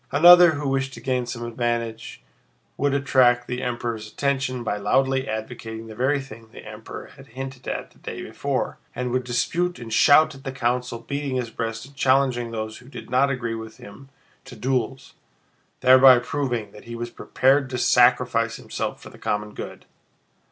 Another who wished to gain some advantage would attract the Emperor's attention by loudly advocating the very thing the Emperor had hinted at the day before, and would dispute and shout at the council, beating his breast and challenging those who did not agree with him to duels, thereby proving that he was prepared to sacrifice himself for the common good.